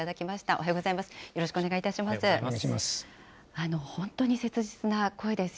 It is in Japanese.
おはようございます。